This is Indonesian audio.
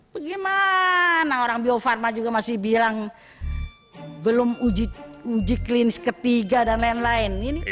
bagaimana orang bio farma juga masih bilang belum uji klinis ketiga dan lain lain